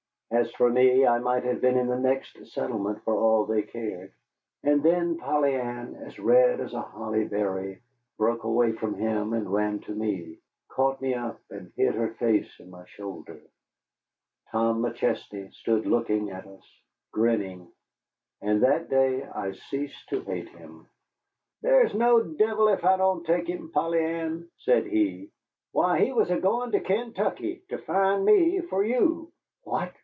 As for me, I might have been in the next settlement for all they cared. And then Polly Ann, as red as a holly berry, broke away from him and ran to me, caught me up, and hid her face in my shoulder. Tom McChesney stood looking at us, grinning, and that day I ceased to hate him. "There's no devil ef I don't take him, Polly Ann," said he. "Why, he was a goin' to Kaintuckee ter find me for you." "What?"